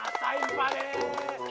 rasain pak ya